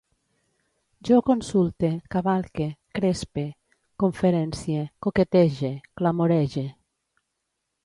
Jo consulte, cavalque, crespe, conferencie, coquetege, clamorege